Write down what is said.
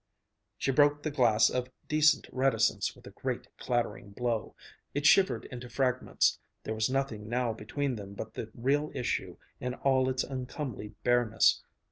She broke the glass of decent reticence with a great clattering blow. It shivered into fragments. There was nothing now between them but the real issue in all its uncomely bareness.